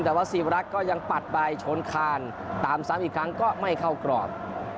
แต่ว่าสีวรักษ์ก็ยังปัดไปชนคานตามซ้ำอีกครั้งก็ไม่เข้ากรอบ